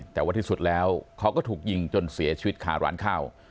แต่ว่าที่สุดแล้วเขาก็ถูกยิงจนเสียชีวิตขาร้านข้าว